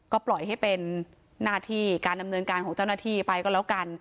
ก็ปล่อยให้เป็นหน้าที่การดำเนินการของเจ้าหน้าที่ไปก็แล้วกัน